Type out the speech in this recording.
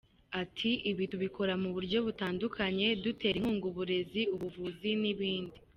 Ati ‘’ Ibi tubikora mu buryo butandukanye ; dutera inkunga uburezi, ubuvuzi n’ibindi.